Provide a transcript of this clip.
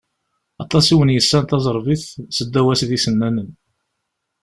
Aṭas i awen-yessan taẓerbit, seddaw-as d isennanen.